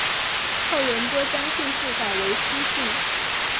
后人多将姓氏改为司姓。